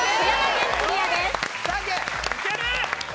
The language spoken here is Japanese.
いける！